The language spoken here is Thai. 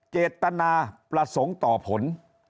เจตนาประสงค์ต่อผล